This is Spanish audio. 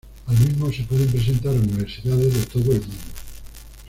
Al mismo se pueden presentar universidades de todo el mundo.